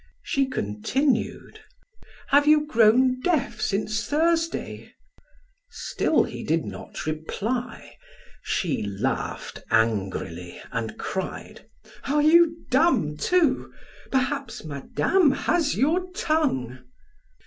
She continued: "Have you grown deaf since Thursday?" Still he did not reply. She laughed angrily and cried: "Are you dumb, too? Perhaps Madame has your tongue?"